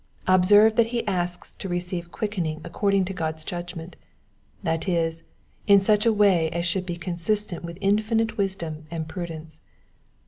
Observe, that he asks to receive quickening according to God's judgment, that is, in such a way as should be consistent with innnite wisdom and prudence.